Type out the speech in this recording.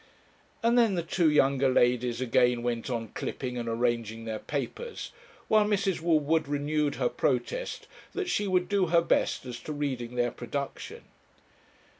And then the two younger ladies again went on clipping and arranging their papers, while Mrs. Woodward renewed her protest that she would do her best as to reading their production.